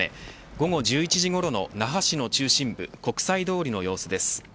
午後１１時ごろの那覇市の中心部国際通りの様子です。